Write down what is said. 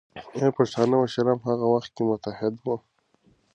ایا پښتانه مشران په هغه وخت کې متحد وو؟